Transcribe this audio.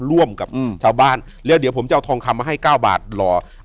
ร่วมกับชาวบ้านแล้วเดี๋ยวผมจะเอาทองคำมาให้เก้าบาทรอ